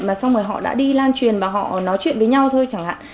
mà xong rồi họ đã đi lan truyền và họ nói chuyện với nhau thôi chẳng hạn